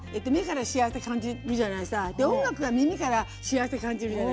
音楽は耳から幸せ感じるじゃないさ。